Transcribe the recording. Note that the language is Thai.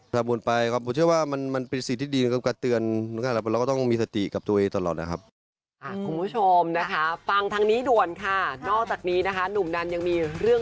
ถ้าบนไปผมเชื่อว่ามันเป็นสิ่งที่ดีกับการเตือน